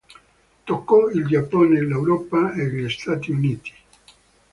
Toccò il Giappone, l'Europa e gli Stati Uniti.